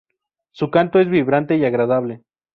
Su canto es vibrante y agradable.